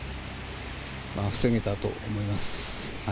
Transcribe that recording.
防げたと思います。